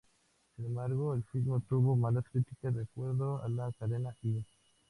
Sin embargo, el filme obtuvo malas críticas; de acuerdo a la cadena "E!